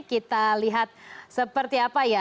kita lihat seperti apa ya